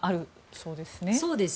そうですね。